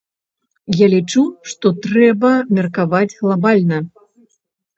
Я лічу, што трэба меркаваць глабальна!